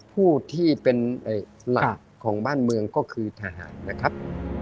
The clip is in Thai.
ผู้ที่เป็นหลักของบ้านเมืองก็คือทหารนะครับ